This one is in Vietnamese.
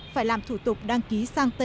phải làm thủ tục đăng ký